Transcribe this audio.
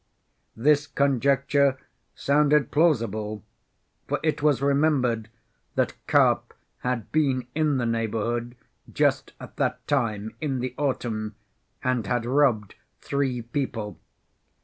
This conjecture sounded plausible, for it was remembered that Karp had been in the neighborhood just at that time in the autumn, and had robbed three people.